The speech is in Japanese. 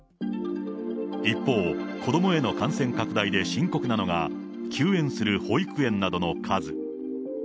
一方、子どもへの感染拡大で深刻なのが、休園する保育園などの数。